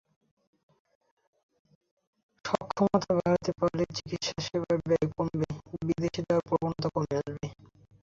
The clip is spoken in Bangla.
সক্ষমতা বাড়াতে পারলে চিকিৎসাসেবার ব্যয় কমবে, বিদেশ যাওয়ার প্রবণতা কমে আসবে।